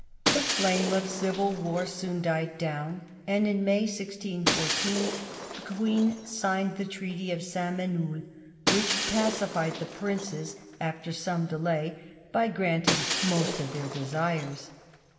The flame of civil war soon died down. In May 1614 the Queen signed the treaty of St. Menehould, which pacified the princes, after some delay, by granting most of their desires.